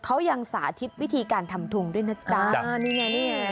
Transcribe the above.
เขายังสาธิตวิธีการทำทุ่งด้วยนะนี่ไง